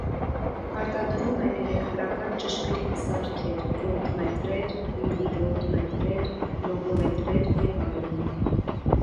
Արտադրում է էլեկտրական ճշգրիտ սարքեր՝ վոլտմետրեր, միլիվոլտմետրեր, լոգոմետրեր և այլն։